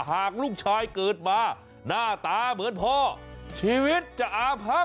หากลูกชายเกิดมาหน้าตาเหมือนพ่อชีวิตจะอาพับ